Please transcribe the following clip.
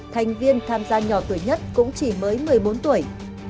thành viên tham gia nhỏ tuổi nhất cũng chỉ mới một mươi bốn tuổi